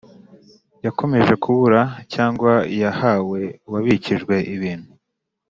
Yakomeje kubura cyangwa yahawe uwabikijwe ibintu